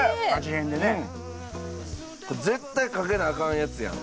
絶対かけなアカンやつやん。